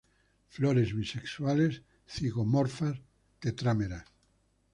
Flores bisexuales, zigomorfas, tetrámeras.